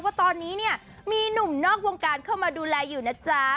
ว่าตอนนี้เนี่ยมีหนุ่มนอกวงการเข้ามาดูแลอยู่นะจ๊ะ